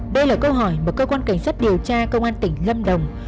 đây là câu hỏi mà cơ quan cảnh sát điều tra công an tỉnh lâm đồng